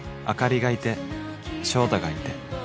［あかりがいて翔太がいて］